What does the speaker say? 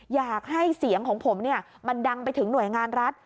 อยากให้เสียงของผมมันดังไปถึงหน่วยงานรัฐ